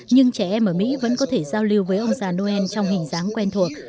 nhưng trẻ em ở mỹ vẫn có thể giao lưu với ông già noel trong hình dáng quen thuộc